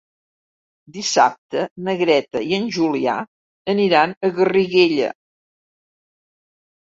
Dissabte na Greta i en Julià aniran a Garriguella.